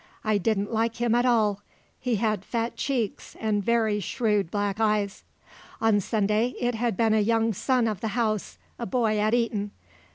"I didn't like him at all. He had fat cheeks and very shrewd black eyes." On Sunday it had been a young son of the house, a boy at Eton.